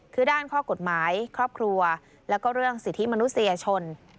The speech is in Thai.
คือด้านข้อกฎหมายครอบครัวแล้วก็เรื่องสิทธิมนุษยชน